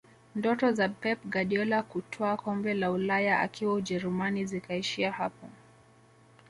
ndoto za pep guardiola kutwaa kombe la ulaya akiwa ujerumani zikaishia hapo